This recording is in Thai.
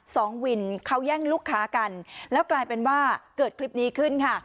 สองวินเขาแย่งลูกค้ากันแล้วกลายเป็นว่าเกิดคลิปนี้ขึ้นค่ะ